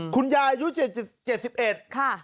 คุณยายอายุ๗๑